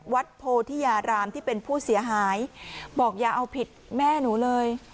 โพธิยารามที่เป็นผู้เสียหายบอกอย่าเอาผิดแม่หนูเลย